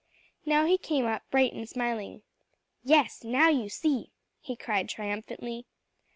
Now he came up bright and smiling. "Yes, now you see," he cried triumphantly.